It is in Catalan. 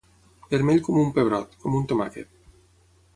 Vermell com un pebrot, com un tomàquet.